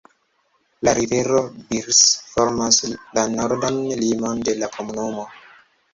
La rivero Birs formas la nordan limon de la komunumo.